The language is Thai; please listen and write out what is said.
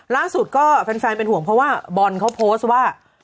ล่าสุดก็แฟนเป็นห่วงเพราะว่าบอลเขาโพสต์ว่า